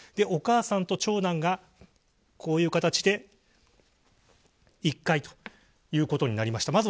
お母さんと長男がこういう形で１階ということになりました。